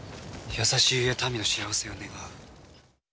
優しいゆえ民の幸せを願う。